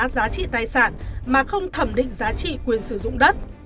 giá trị tài sản mà không thẩm định giá trị quyền sử dụng đất